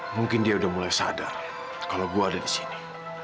mungkin dia udah mulai sadar kalau gue ada di sini